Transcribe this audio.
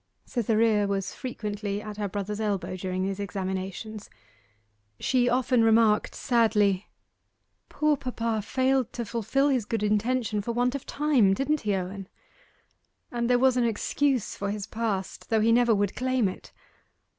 Cytherea was frequently at her brother's elbow during these examinations. She often remarked sadly 'Poor papa failed to fulfil his good intention for want of time, didn't he, Owen? And there was an excuse for his past, though he never would claim it.